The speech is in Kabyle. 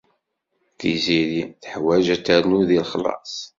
Tiziri teḥwaj ad ternu deg lexlaṣ.